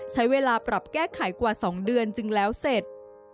ใช้เวลาปรับแก้ไขกว่า๒เดือนจึงแล้วเสร็จ